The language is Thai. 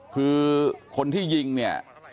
คือคนที่ยิงเนี่ย